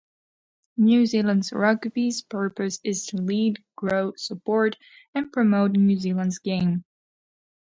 New Zealand Rugby's purpose is to lead, grow, support and promote New Zealand's game.